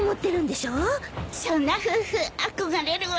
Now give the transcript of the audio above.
そんな夫婦憧れるわ。